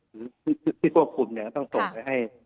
หรือที่ควบคุมเนี่ยต้องส่งไปให้